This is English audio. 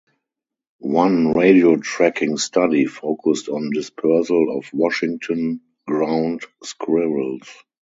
One radiotracking study focused on dispersal of Washington ground squirrels.